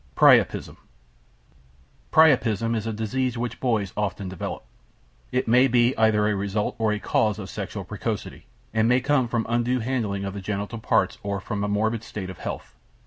PRIAPISM Priapism is a disease which boys often develop. It may be either a result or a cause of sexual precocity, and may come from undue handling of the genital parts or from a morbid state of health.